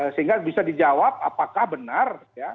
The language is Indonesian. sehingga bisa dijawab apakah benar